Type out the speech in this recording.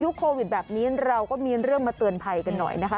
โควิดแบบนี้เราก็มีเรื่องมาเตือนภัยกันหน่อยนะคะ